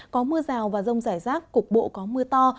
có mưa rào và rông rải rác cục bộ có mưa to